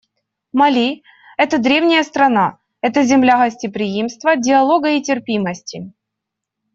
Мали — это древняя страна, это земля гостеприимства, диалога и терпимости.